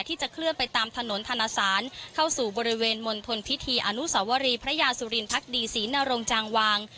ที่จะเคลื่อนไปตามถนนธนสารเข้าสู่บริเวณมณฑลพิธีอนุสวรีพระยาสุรินพักดีศรีนรงจางวาง